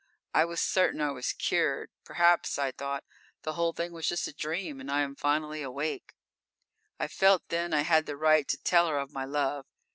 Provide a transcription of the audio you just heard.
I was certain I was cured. Perhaps, I thought, the whole thing was just a dream and I am finally awake._ _I felt then I had the right to tell her of my love.